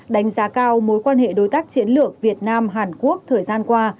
đánh giá cao mối quan hệ đối tác chiến lược việt nam hàn quốc thời gian qua